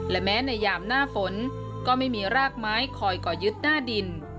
และแม้ในยามหน้าฝนก็ไม่มีรากไม้คอยก่อยึดหน้าดิน